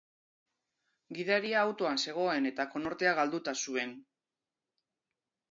Gidaria autoan zegoen eta konortea galduta zuen.